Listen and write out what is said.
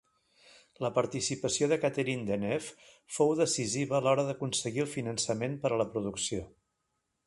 La participació de Catherine Deneuve fou decisiva a l'hora d'aconseguir el finançament per a la producció.